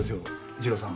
二郎さん。